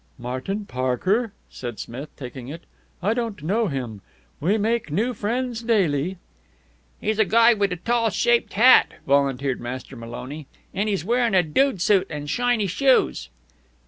"Martin Parker?" said Smith, taking it. "I don't know him. We make new friends daily." "He's a guy wit' a tall shaped hat," volunteered Master Maloney, "an' he's wearing a dude suit an' shiny shoes."